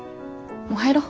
もう入ろう。